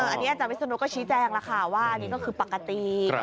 อันนี้อาจารย์วิศนุก็ชี้แจงแล้วค่ะว่าอันนี้ก็คือปกติ